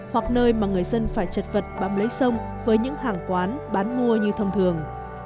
hoặc nơi mà người dân phải chật vật bắm lấy sông với những hàng quán bán mua như thông thường